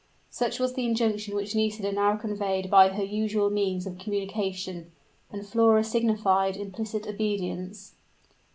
Such was the injunction which Nisida now conveyed by her usual means of communication; and Flora signified implicit obedience.